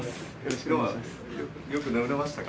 昨日はよく眠れましたか？